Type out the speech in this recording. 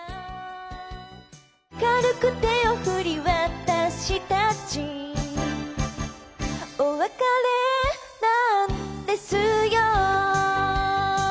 「軽く手を振り私達お別れなんですよ」